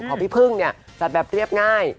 ของพี่พึ่งเนี่ยจัดแบบเรียบง่าย